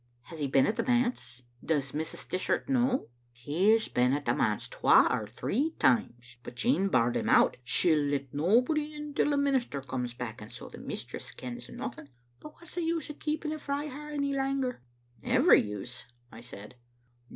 " "Has he been at the manse? Does Mrs. Dishart know ?"" He's been at the manse twa or three times, but Jean barred him out. She'll let nobody in till the minister comes back, and so the mistress kens nothing. But what's the use o' keeping it frae her ony langer?" "Every use," I said.